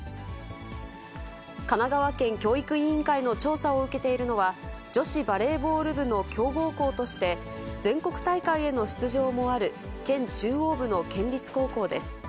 神奈川県教育委員会の調査を受けているのは、女子バレーボール部の強豪校として、全国大会への出場もある県中央部の県立高校です。